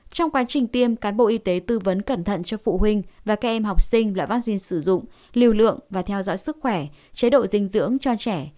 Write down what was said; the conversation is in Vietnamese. trong quá trình tiêm cán bộ y tế tư vấn cẩn thận cho phụ huynh và các em học sinh loại vaccine sử dụng liều lượng và theo dõi sức khỏe chế độ dinh dưỡng cho trẻ